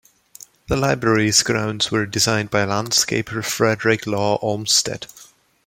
The library's grounds were designed by landscaper Frederick Law Olmsted.